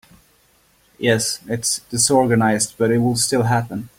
Yes, it’s disorganized but it will still happen.